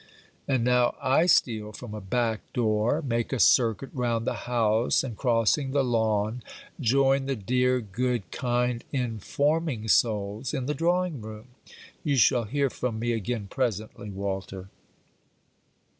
And now, I steal from a back door, make a circuit round the house, and crossing the lawn join the dear good kind informing souls in the drawing room. You shall hear from me again presently, Walter.